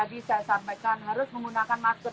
tadi saya sampaikan harus menggunakan masker